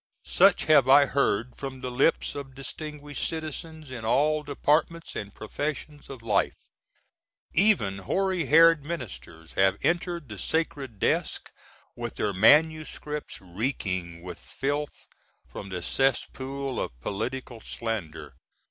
Such have I heard from the lips of distinguished citizens in all departments & professions of life. Even hoary headed ministers have entered the sacred desk with their MSS. reeking with filth from the cesspool of political slander.